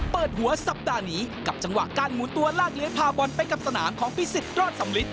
เปิดหัวสัปดาห์นี้กับจังหวะการหมุนตัวลากเลื้อยพาบอลไปกับสนามของพิสิทธิรอดสำลิด